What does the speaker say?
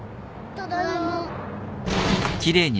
ただいま。